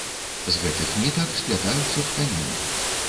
З гэтых нітак сплятаюцца тканіны.